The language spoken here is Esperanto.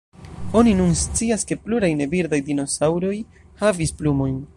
Oni nun scias ke pluraj ne-birdaj dinosaŭroj havis plumojn.